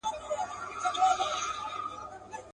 د پېړیو پېګويي به یې کوله.